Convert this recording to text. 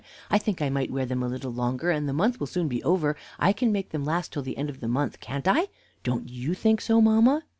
I think I might wear them a little longer, and the month will soon be over. I can make them last till the end of the month, can't I? Don't you think so, mamma?"